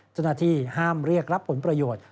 เจ้าหน้าที่ห้ามเรียกรับผลประโยชน์